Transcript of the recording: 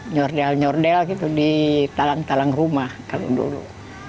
nyordel nyordel gitu di talang talang rumah kalau dulu